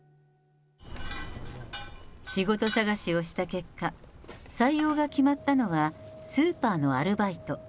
仕事探しをした結果、採用が決まったのはスーパーのアルバイト。